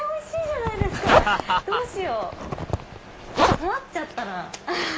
困っちゃったな。